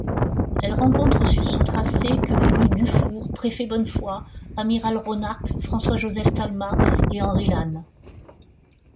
Elle rencontre sur son tracé que les rues Dufour, Préfet-Bonnefoy, Amiral-Ronarc'h, François-Joseph-Talma et Henri-Lasne.